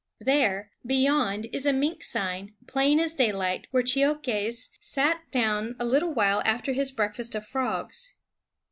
There, beyond, is a mink sign, plain as daylight, where Cheokhes sat down a little while after his breakfast of frogs.